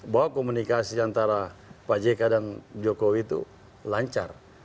bahwa komunikasi antara pak jk dan jokowi itu lancar